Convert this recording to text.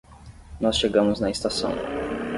Nós chegamos na estação